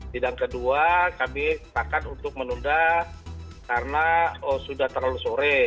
sidang kedua kami sepakat untuk menunda karena sudah terlalu sore